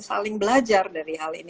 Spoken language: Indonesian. saling belajar dari hal ini